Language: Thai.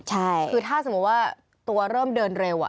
ใช่คือถ้าสมมุติว่าตัวเริ่มเดินเร็ว